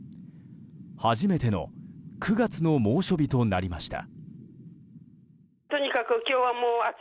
初めての９月の猛暑日となりました。